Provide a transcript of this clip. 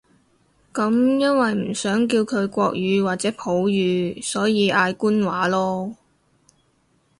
噉因為唔想叫佢國語或者普語，所以嗌官話囉